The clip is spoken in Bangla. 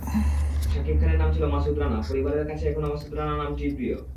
শাকিব খানের নাম ছিল মাসুদ রানাপরিবারের কাছে এখনো মাসুদ রানা নামটিই প্রিয়।